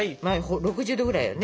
６０℃ぐらいよね？